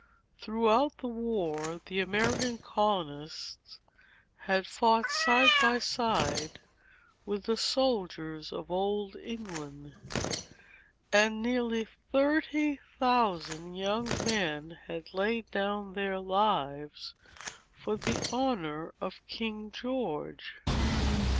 Throughout the war, the American colonists had fought side by side with the soldiers of Old England; and nearly thirty thousand young men had laid down their lives for the honor of King George.